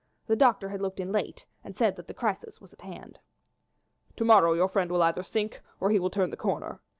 The doctor had looked in late and said that the crisis was at hand. "To morrow your friend will either sink or he will turn the corner.